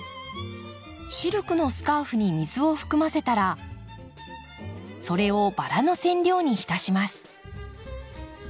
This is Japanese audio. シルクのスカーフに水を含ませたらそれをバラの染料に浸します。